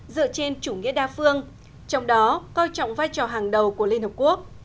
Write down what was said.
dựa trên chủ nghĩa đa phương trong đó coi trọng vai trò hàng đầu của liên hợp quốc